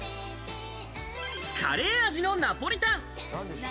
カレー味のナポリタン。